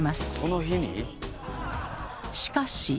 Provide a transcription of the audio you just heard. しかし。